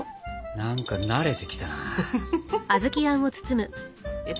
何か慣れてきたな。